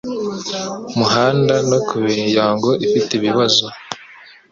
muhanda no ku miryango ifite ibibazo